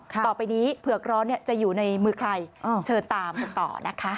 ต่อไปนี้เผือกร้อนจะอยู่ในมือใครเชิญตามกันต่อนะคะ